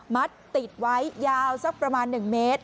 มัดติดไว้ยาวสักประมาณ๑เมตร